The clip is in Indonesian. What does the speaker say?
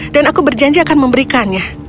dan aku berjanji akan memberikannya